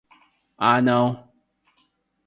Ah não